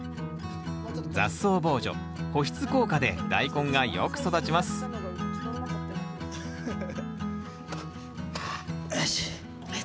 雑草防除保湿効果でダイコンがよく育ちますよし。